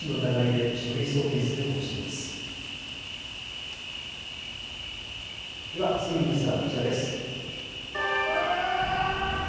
では次のニュースはこちらです。